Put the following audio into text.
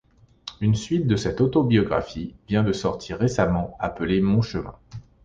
Une suite de cette autobiographie vient de sortir récemment appelée Mon Chemin.